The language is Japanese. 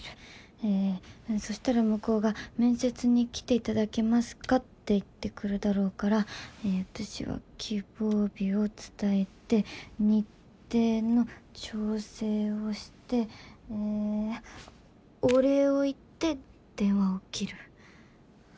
えそしたら向こうが「面接に来ていただけますか」って言ってくるだろうから私は希望日を伝えて日程の調整をしてえお礼を言って電話を切る。